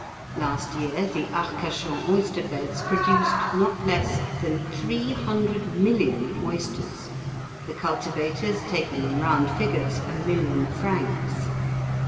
Last year the Arcachon oyster beds produced not less than three hundred million oysters, the cultivators taking in round figures a million francs.